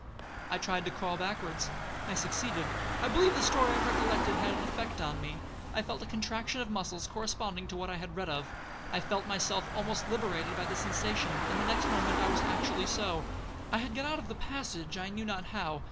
'I tried to crawl backwards,—I succeeded. I believe the story I recollected had an effect on me, I felt a contraction of muscles corresponding to what I had read of. I felt myself almost liberated by the sensation, and the next moment I was actually so;—I had got out of the passage I knew not how.